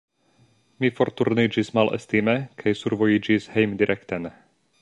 Mi forturniĝis malestime kaj survojiĝis hejmdirekten.